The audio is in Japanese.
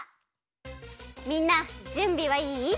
みんなじゅんびはいい？